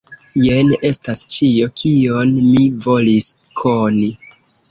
Jen estas ĉio, kion mi volis koni.